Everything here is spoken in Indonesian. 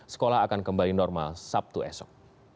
sekolah akan kembali normal sabtu esok